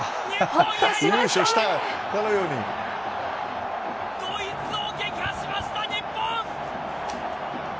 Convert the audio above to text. ドイツを撃破しました日本。